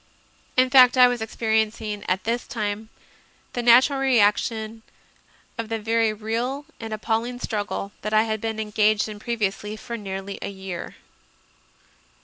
In fact, I was experiencing at this time the nat ural reaction of the very real and appalling struggle that I had been engaged in previously for nearly a year.